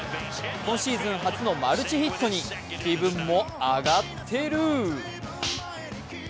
今シーズン初のマルチヒットに気分も上がってるぅ。